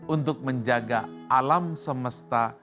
untuk menjaga alam semesta